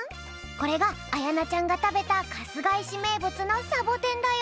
これがあやなちゃんがたべたかすがいしめいぶつのサボテンだよ。